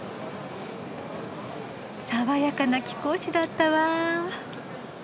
爽やかな貴公子だったわ。